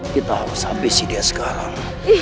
kita harus ambisi dia sekarang